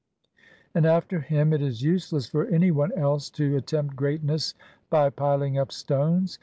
And after him it is useless for any one else to at tempt greatness by piling up stones.